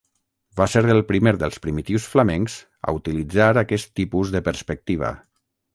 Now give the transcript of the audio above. Va ser el primer dels primitius flamencs a utilitzar aquest tipus de perspectiva.